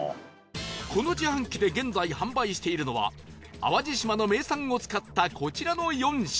この自販機で現在販売しているのは淡路島の名産を使ったこちらの４品